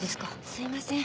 すいません。